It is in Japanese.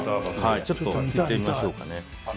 ちょっとやってみましょうかね。